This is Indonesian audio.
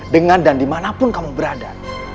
dengan dan dimanapun kamu berada